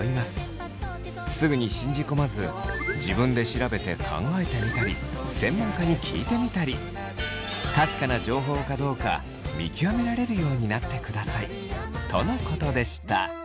すぐに信じ込まず自分で調べて考えてみたり専門家に聞いてみたり確かな情報かどうか見極められるようになってください。とのことでした。